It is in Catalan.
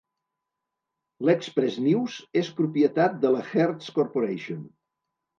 L'"Express-News" és propietat de la Hearst Corporation.